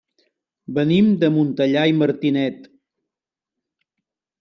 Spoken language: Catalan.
Venim de Montellà i Martinet.